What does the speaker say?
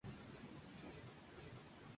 Cada unidad está dividida en departamentos.